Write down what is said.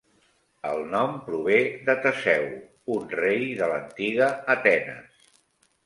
El nom prové de Teseu, un rei de l'antiga Atenes.